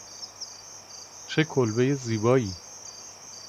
چه کلبهی زیبایی!